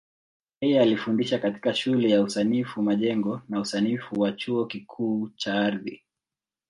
Yeye alifundisha katika Shule ya Usanifu Majengo na Usanifu wa Chuo Kikuu cha Ardhi.